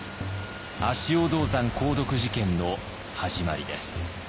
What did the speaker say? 足尾銅山鉱毒事件の始まりです。